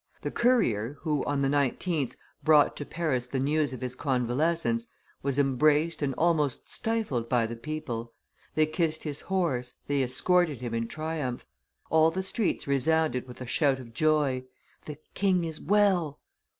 The courier, who, on the 19th, brought to Paris the news of his convalescence, was embraced and almost stifled by the people; they kissed his horse, they escorted him in triumph. All the streets resounded with a shout of joy. 'The king is well!